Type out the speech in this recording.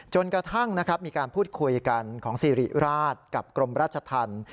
จนกระทั่งนะครับมีการพูดคุยกันของสิริราชกับกรมราชธรรม